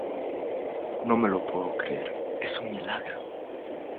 no me lo puedo creer. es un milagro.